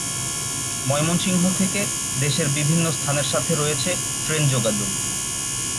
ময়মনসিংহ থেকে দেশের বিভিন্ন স্থানের সাথে রয়েছে ট্রেন যোগাযোগ।